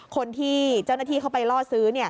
คนที่เจ้าหน้าที่เข้าไปล่อซื้อ